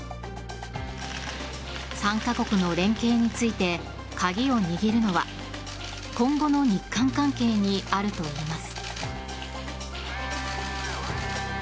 ３カ国の連携について鍵を握るのは今後の日韓関係にあるといいます。